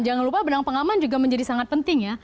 jangan lupa benang pengaman juga menjadi sangat penting ya